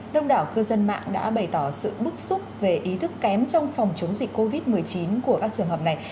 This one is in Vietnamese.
đông đảo cư dân mạng đã bày tỏ sự bức xúc về ý thức kém trong phòng chống dịch covid một mươi chín của các trường hợp này